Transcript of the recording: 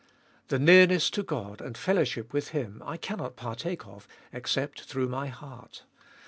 The nearness to God and fellowship with Him I cannot partake of except through my heart.